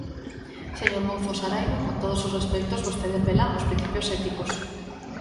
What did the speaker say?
Señor Mouzo Saraiba –con todos os respectos–, vostede apela aos principios éticos.